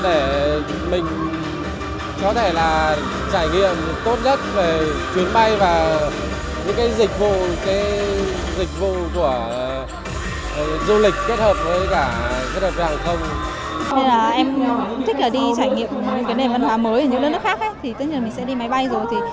em thích đi trải nghiệm những nền văn hóa mới ở những nước khác tất nhiên là mình sẽ đi máy bay rồi